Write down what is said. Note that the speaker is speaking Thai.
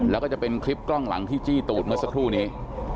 แล้วก็จะเป็นคลิปกล้องหลังที่จี้ตูดเมื่อสักครู่นี้